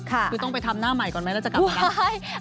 คือต้องไปทำหน้าใหม่ก่อนไหมแล้วจะกลับมาได้